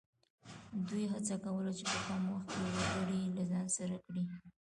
دوی هڅه کوله چې په کم وخت کې وګړي له ځان سره کړي.